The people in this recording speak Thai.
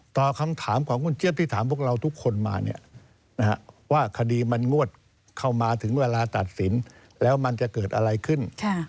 ต่อคำถามของคุณเจี๊ยบที่ถามพวกเราทุกคนมาว่าคดีมันงวดเข้ามาถึงเวลาตัดสินแล้วมันจะเกิดอะไรขึ้น